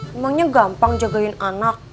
rumahnya gampang jagain anak